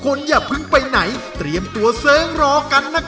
คุณแม่รู้สึกยังไงในตัวของกุ้งอิงบ้าง